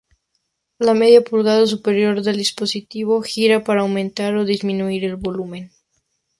La media pulgada superior del dispositivo gira para aumentar o disminuir el volumen.